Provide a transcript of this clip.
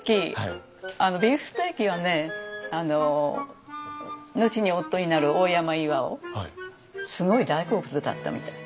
ビーフステーキをね後に夫になる大山巌すごい大好物だったみたい。